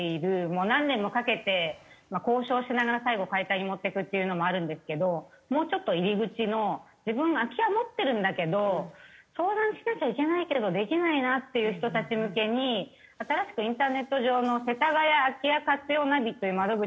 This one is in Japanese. もう何年もかけて交渉しながら最後解体に持っていくっていうのもあるんですけどもうちょっと入り口の「自分空き家持ってるんだけど相談しなきゃいけないけどできないな」っていう人たち向けに新しくインターネット上のせたがや空き家活用ナビという窓口始めたんですね。